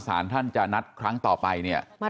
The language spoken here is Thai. สารท่านจะนัดครั้งต่อไปเนี่ย